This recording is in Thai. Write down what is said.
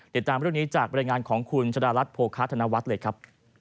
เดี๋ยวตามวันรุ่นนี้จากบริงารของคุณชะดารัสโภคาธนาวัสด์เลยครับ